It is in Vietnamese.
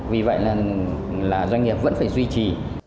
vì vậy là doanh nghiệp vẫn phải duy trì